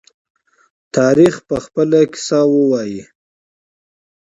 تاریخ به خپله قصه ووايي.